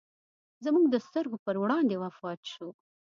زموږ د سترګو پر وړاندې وفات شو.